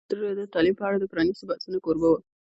ازادي راډیو د تعلیم په اړه د پرانیستو بحثونو کوربه وه.